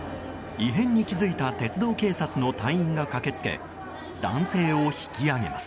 異変に気付いた鉄道警察の隊員が駆け付け男性を引き上げます。